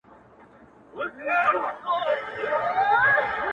مېنه به تشه له میړونو وي سیالان به نه وي٫